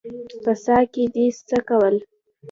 _په څاه کې دې څه کول؟